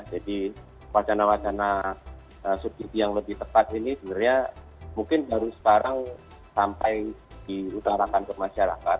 jadi wacana wacana subsidi yang lebih tepat ini sebenarnya mungkin baru sekarang sampai diutarakan ke masyarakat